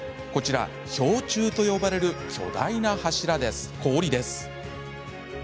こちら、氷柱と呼ばれる巨大な氷です。